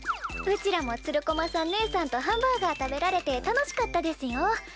うちらもつる駒さん姉さんとハンバーガー食べられて楽しかったですよ。